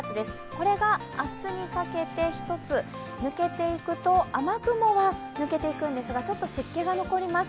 これが明日にかけて一つ抜けていくと雨雲は抜けていくんですがちょっと湿気が残ります。